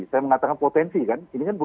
saya mengatakan potensi kan